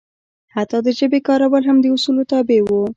حتی د ژبې کارول هم د اصولو تابع وو.